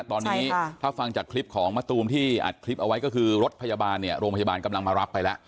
ตอนนี้ถ้าฟังจากคลิปของมะตูมที่อัดคลิปเอาไว้ก็คือรถพยาบาลเนี่ยโรงพยาบาลกำลังมารับไปแล้ว